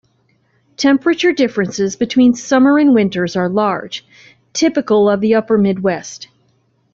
Temperature differences between summer and winters are large, typical of the Upper Midwest.